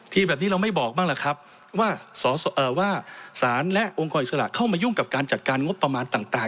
แบบนี้เราไม่บอกบ้างล่ะครับว่าสารและองค์กรอิสระเข้ามายุ่งกับการจัดการงบประมาณต่าง